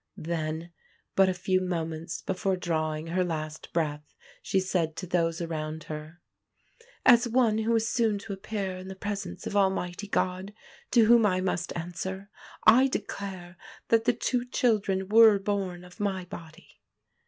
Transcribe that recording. Then, but a few moments before drawing her last breath, she said to those around her: "As one who is soon to appear in the presence of Almighty God, to whom I must answer, I declare that the two children were born of my body."